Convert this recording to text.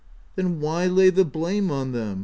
" Then why lay the blame on them ?